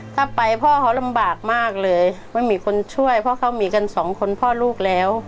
ถ้าไปพ่อเขาลำบากมากเลยไม่มีคนช่วยเพราะเขามีกันสองคนพ่อลูกแล้ว